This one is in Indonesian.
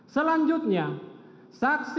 selanjutnya saksi perdisambo memanggil saksi